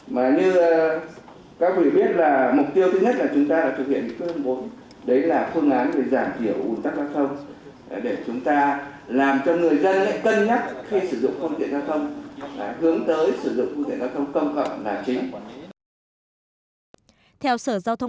mà như các quý vị biết là mục tiêu thứ nhất là chúng ta là thực hiện phương án để giảm hiểu ưu tắc giao thông